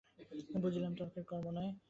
বুঝিলাম, তর্কের কর্ম নয়।